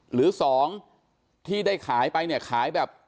หรือสองที่ได้ขายไปเนี่ยขายแบบ